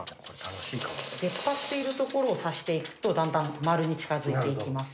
出っ張っている所を刺していくとだんだん丸に近づいていきます。